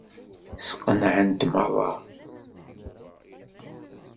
Sqenɛent meṛṛa.